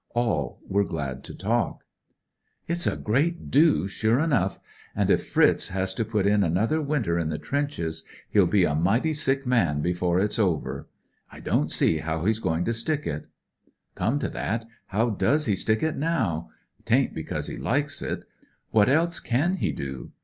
All were glad to t€dk. It*s a great do, sure enough ; an' if Fritz has to put in another winter in the i( rrS A GREAT DO 99 228 trenches he'U be a mighty sick man before it's over. I don't see how he's goin' to stick it." "Come to that, how does he stick it now ? 'Tain't because he likes it. What else can he do